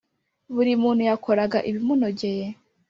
Buri muntu yakoraga ibimunogeye